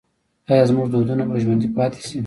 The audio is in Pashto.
آیا زموږ دودونه به ژوندي پاتې شي؟